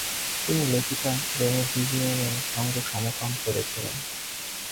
তিনি লেখিকা রেনে ভিভিয়েনের সঙ্গে সমকাম করেছিলেন।